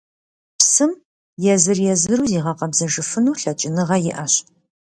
Псым езыр-езыру зигъэкъэбзэжыфыну лъэкӀыныгъэ иӀэщ.